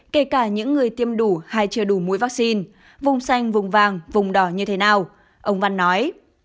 kể cả những người tiêm đủ hay chưa đủ mũi vaccine vùng xanh vùng vàng vùng đỏ như thế nào ông văn nói